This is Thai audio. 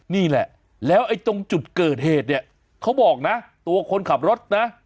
นี่แหละแล้วไอ้ตรงจุดเกิดเหตุเนี่ยเขาบอกนะตัวคนขับรถนะ